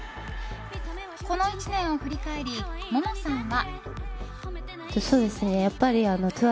この１年を振り返りＭＯＭＯさんは。